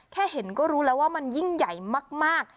แค่เห็นก็รู้แล้วว่ามันยิ่งใหญ่มาก